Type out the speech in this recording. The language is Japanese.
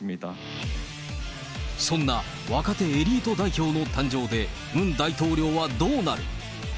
そんな若手エリート代表の誕生で、ムン大統領はどうなる？